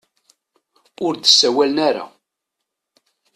Ur d-sawalen ara.